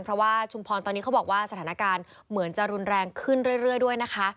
เพราะว่าชุมพรตอนนี้เขาบอกว่าสถานการณ์เหมือนจะรุนแรงขึ้นเรื่อยด้วยนะคะ